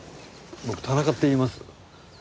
僕田中っていいます。